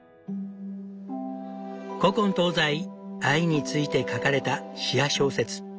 古今東西愛について書かれた詩や小説